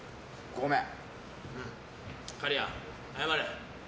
ごめん！